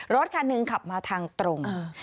รถคันหนึ่งขับมาทางตรง